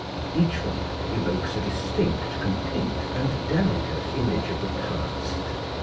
Each one evokes a distinct, complete, and delicate image of the past.